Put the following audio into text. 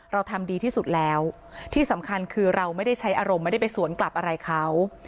เราทำดีที่สุดแล้วที่สำคัญคือเราไม่ได้ใช้อารมณ์ไม่ได้ไปสวนกลับอะไรเขา